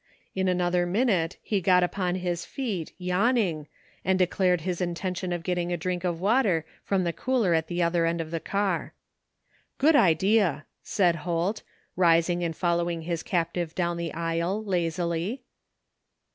In another minute he got upon his feet, yawning, and declared his intention of getting a drink of water from the cooler at the other end of the car. 20 THE FINDING OF JASPER HOLT " Good idea !" said Holt, rising and following his captive down the aisle lazily.